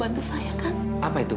bantu saya kan apa itu